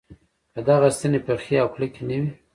که دغه ستنې پخې او کلکې نه وي.